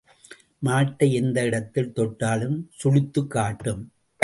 மாட்டை எந்த இடத்தில் தொட்டாலும் சுளித்துக் காட்டும்.